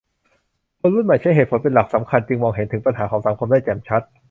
คนรุ่นใหม่ใช้เหตุผลเป็นหลักสำคัญจึงมองเห็นถึงปัญหาของสังคมได้แจ่มชัด